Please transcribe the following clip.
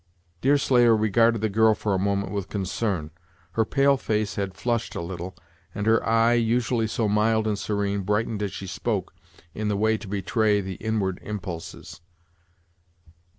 Deerslayer regarded the girl for a moment with concern. Her pale face had flushed a little, and her eye, usually so mild and serene, brightened as she spoke, in the way to betray the inward impulses.